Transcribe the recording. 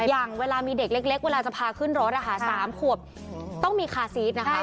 อย่างเวลามีเด็กเล็กเวลาจะพาขึ้นรถ๓ขวบต้องมีคาซีสนะคะ